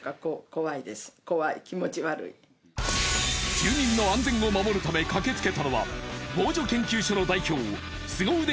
住人の安全を守るため駆けつけたのは防除研究所の代表スゴ腕